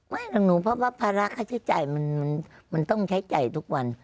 ไม่ล่ะหนูเพราะว่าภาระค่าใช้จ่ายมันมันมันต้องใช้จ่ายทุกวัน